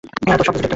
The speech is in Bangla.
তো, কিছু ঠিক করেছ?